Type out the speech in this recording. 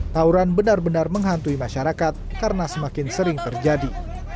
tauran benar benar menghantui masyarakat karena semakin sering terjadi